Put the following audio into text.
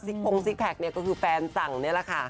พงซิกแพคเนี่ยก็คือแฟนสั่งนี่แหละค่ะ